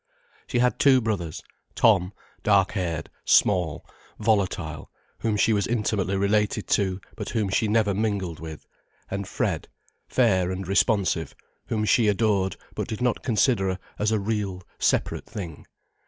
She had two brothers, Tom, dark haired, small, volatile, whom she was intimately related to but whom she never mingled with, and Fred, fair and responsive, whom she adored but did not consider as a real, separate thing.